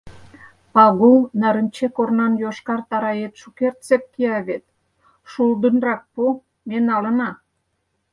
— Пагул, нарынче корнан йошкар тарает шукертсек кия вет, шулдынрак пу, ме налына.